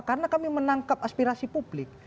karena kami menangkap aspirasi publik